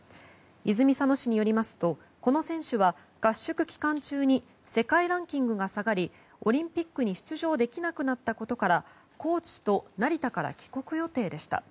泉佐野市によりますとこの選手は合宿期間中に世界ランキングが下がりオリンピックに出場できなくなったことからコーチと成田から帰国予定でした。